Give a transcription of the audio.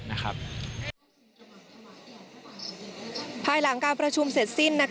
ภายหลังการประชุมเสร็จสิ้น